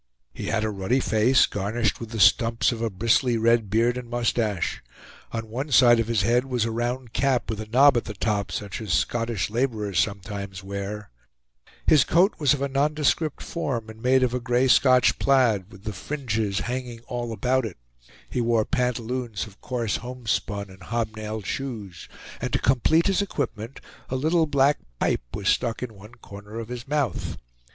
He had a ruddy face, garnished with the stumps of a bristly red beard and mustache; on one side of his head was a round cap with a knob at the top, such as Scottish laborers sometimes wear; his coat was of a nondescript form, and made of a gray Scotch plaid, with the fringes hanging all about it; he wore pantaloons of coarse homespun, and hob nailed shoes; and to complete his equipment, a little black pipe was stuck in one corner of his mouth.